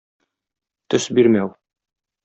Төс бирмәү.